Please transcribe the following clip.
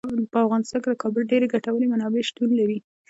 په افغانستان کې د کابل ډیرې ګټورې منابع شتون لري.